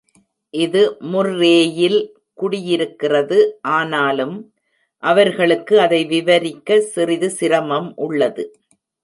இது முர்ரேயில் குடியிருக்கிறது; ஆனாலும்... அவர்களுக்கு அதை விவரிக்க சிறிது சிரமம் உள்ளது.